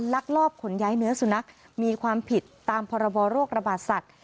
ลักลอบขนย้ายเนื้อสุนัขมีความผิดตามพรบโรคระบาดสัตว์